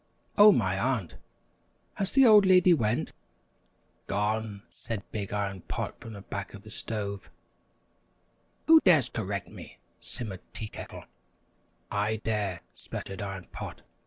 "Oh, my aunt! has the old lady went?" "Gone!" said Big Iron Pot from the back of the stove. [Illustration: "Oh, my aunt!"] "Who dares correct me?" simmered Tea Kettle. "I dare," sputtered Iron Pot.